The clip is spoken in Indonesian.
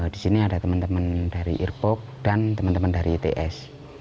di sini ada teman teman dari irpok dan teman teman dari its